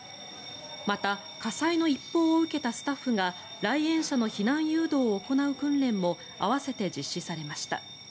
また、火災の一報を受けたスタッフが来園者の避難誘導を行う訓練も併せて実施されました。